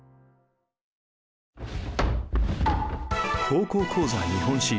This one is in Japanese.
「高校講座日本史」。